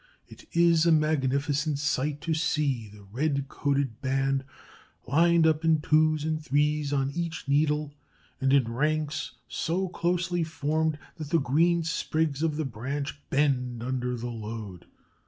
It is a magnificent sight to see the red coated band lined up in twos and threes on each needle and in ranks so closely formed that the green sprigs of the branch bend under the load.